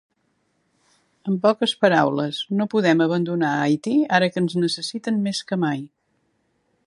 En poques paraules, no podem abandonar Haití ara que ens necessiten més que mai.